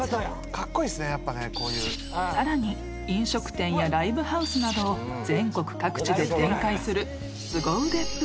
［さらに飲食店やライブハウスなどを全国各地で展開するすご腕っぷり］